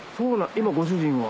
今ご主人は？